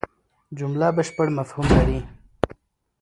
جمله بشپړ مفهوم لري.